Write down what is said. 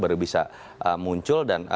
baru bisa muncul dan